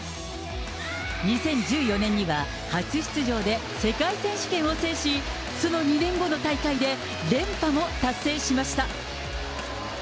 ２０１４年には初出場で世界選手権を制し、その２年後の大会で連覇も達成しました。